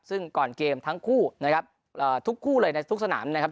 ซึ่งก่อนเกมทั้งคู่นะครับทุกคู่เลยในทุกสนามนะครับ